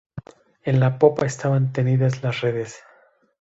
En la popa estaban tendidas las redes.